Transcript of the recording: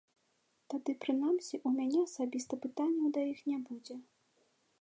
Тады прынамсі ў мяне асабіста пытанняў да іх не будзе.